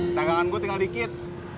daganganku tinggal dikit